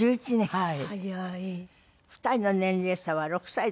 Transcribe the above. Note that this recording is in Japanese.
はい。